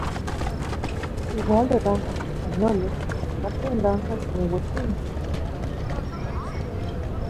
igual de danzas de españoles, catqui danzas de ueuehtineh.